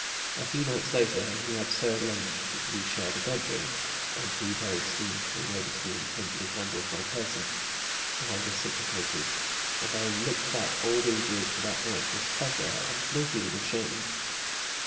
A few nights later he had so arranged that we shared a bedroom, and he very soon came over to me and tenderly handled my person. I reciprocated and I look back all these years to that night with pleasure and no feeling of shame.